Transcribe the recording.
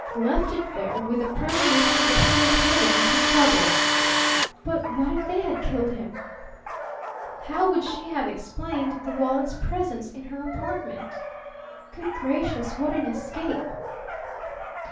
Left it there, with the premonition that he was heading into trouble. But what if they had killed him? How would she have explained the wallet's presence in her apartment? Good gracious, what an escape!